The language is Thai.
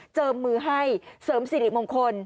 มือให้เสริมสิริมงคล